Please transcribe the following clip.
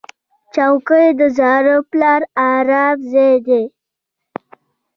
چوکۍ د زاړه پلار ارام ځای دی.